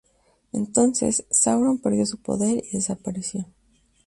Entonces Sauron perdió su poder, y desapareció.